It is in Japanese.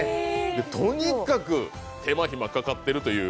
とにかく手間隙かかっているという。